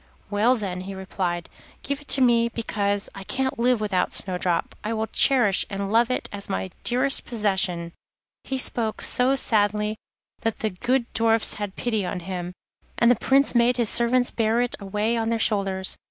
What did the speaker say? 'Well, then,' he replied, 'give it to me, because I can't live without Snowdrop. I will cherish and love it as my dearest possession.' He spoke so sadly that the good Dwarfs had pity on him, and gave him the coffin, and the Prince made his servants bear it away on their shoulders.